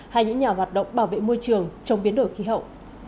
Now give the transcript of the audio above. hay những nhà hoạt động bảo vệ môi trường trong biến đổi khí hậu